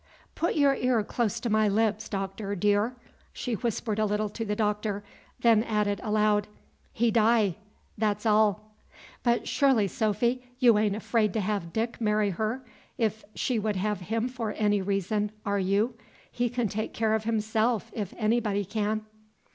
"Put your ear close to my lips, Doctor, dear!" She whispered a little to the Doctor, then added aloud, "He die, that's all." "But surely, Sophy, you a'n't afraid to have Dick marry her, if she would have him for any reason, are you? He can take care of himself, if anybody can."